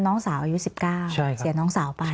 มีความรู้สึกว่าเสียใจ